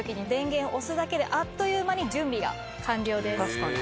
確かに。